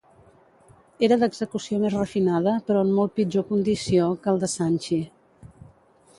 Era d'execució més refinada però en molt pitjor condició que el de Sanchi.